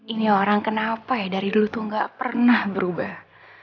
ini orang kenapa ya dari dulu tuh gak pernah berubah